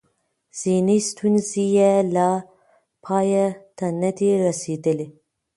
ذهني ستونزې یې لا پای ته نه دي رسېدلې.